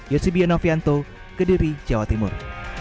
yosibio novianto kediri jawa timur